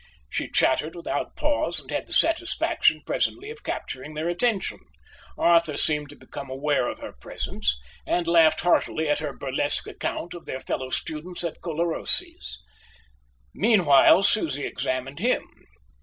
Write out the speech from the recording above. She chattered without pause and had the satisfaction presently of capturing their attention. Arthur seemed to become aware of her presence, and laughed heartily at her burlesque account of their fellow students at Colarossi's. Meanwhile Susie examined him.